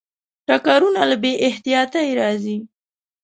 ټکرونه له بې احتیاطۍ راځي.